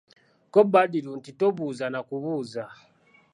Ko Badru nti tobuuza na kubuuza